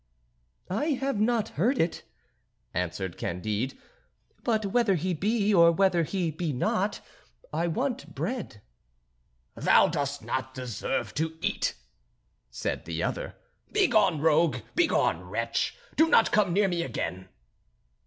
"I have not heard it," answered Candide; "but whether he be, or whether he be not, I want bread." "Thou dost not deserve to eat," said the other. "Begone, rogue; begone, wretch; do not come near me again."